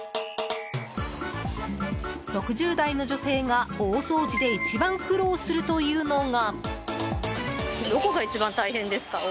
６０代の女性が、大掃除で一番苦労するというのが。